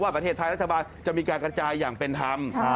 ประเทศไทยรัฐบาลจะมีการกระจายอย่างเป็นธรรม